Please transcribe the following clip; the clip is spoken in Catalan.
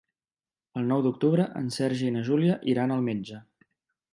El nou d'octubre en Sergi i na Júlia iran al metge.